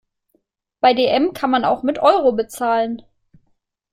Bei dm kann man auch mit Euro bezahlen.